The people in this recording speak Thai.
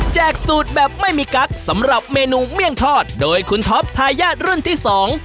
สูตรแบบไม่มีกั๊กสำหรับเมนูเมี่ยงทอดโดยคุณท็อปทายาทรุ่นที่สอง